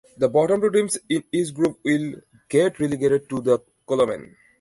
The bottom two teams in each group will get relegated to the Kolmonen.